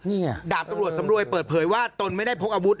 นี่ไงดาบตำรวจสำรวยเปิดเผยว่าตนไม่ได้พกอาวุธ